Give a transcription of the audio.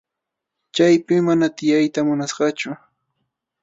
Chaypi mana tiyayta munasqachu.